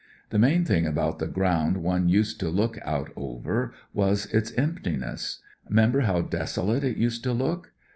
The main thing about the ground one (( THE DIFFERENCE 195 used to look out over was its emptiness. 'Member how desolate it used to look?